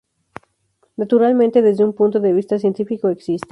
Naturalmente, desde un punto de vista científico, existe.